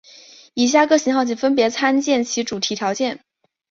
以下各型号请分别参见其主题条目。